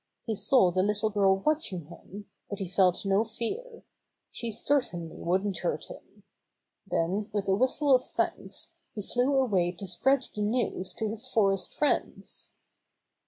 He saw the little girl watching him, but he felt no fear. She certainly wouldn't hurt him. Then with a whistle of thanks, he flew away to spread the news to his forest friends.